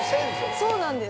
そうなんです。